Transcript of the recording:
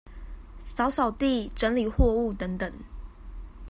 掃掃地、整理貨物等等